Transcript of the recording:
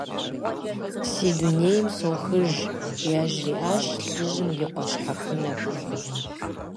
Сэ дунейм сохыж, - яжриӏащ лӏыжьым и къуэ щхьэхынэхэм.